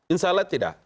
insya allah tidak